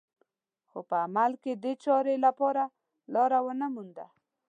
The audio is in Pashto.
خو په عمل کې دې چارې لپاره لاره ونه مونده